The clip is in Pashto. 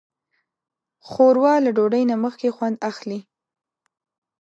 ښوروا له ډوډۍ نه مخکې خوند اخلي.